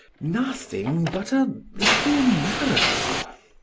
Nothing but a little marrow.